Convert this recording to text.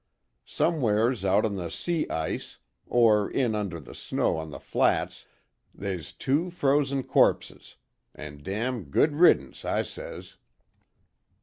Somewheres out on the sea ice, or in under the snow on the flats they's two frozen corpses an' damn good reddence, I says."